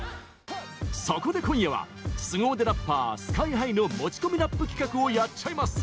そこで今夜はスゴ腕ラッパー、ＳＫＹ‐ＨＩの持ち込みラップ企画をやっちゃいます！